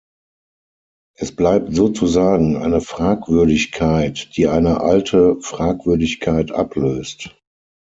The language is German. Es bleibt sozusagen eine Fragwürdigkeit, die eine alte Fragwürdigkeit ablöst.